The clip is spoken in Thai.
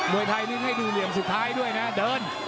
วยไทยนี่ให้ดูเหลี่ยมสุดท้ายด้วยนะเดิน